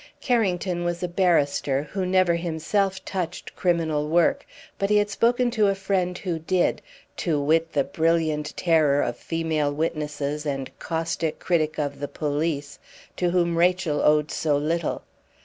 Carrington was a barrister, who never himself touched criminal work, but he had spoken to a friend who did, to wit the brilliant terror of female witnesses, and caustic critic of the police, to whom Rachel owed so little.